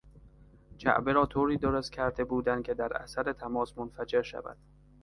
جعبه را طوری درستکرده بودند که در اثر تماس منفجر شود.